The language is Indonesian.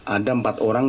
ada empat orang